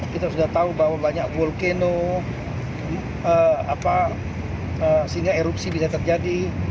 kita sudah tahu bahwa banyak vulcano sehingga erupsi bisa terjadi